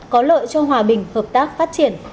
có lợi cho hòa bình hợp tác phát triển